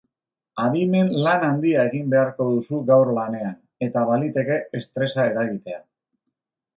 Adimen lan handia egin beharko duzu gaur lanean, eta baliteke estresa eragitea.